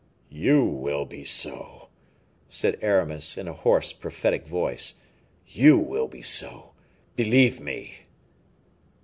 "You will be so," said Aramis, in a hoarse, prophetic voice, "you will be so, believe me."